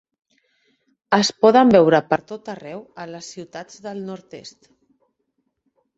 Es poden veure per tot arreu a les ciutats del nord-est.